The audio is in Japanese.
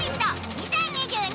２０２２」